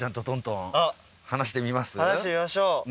放してみましょう。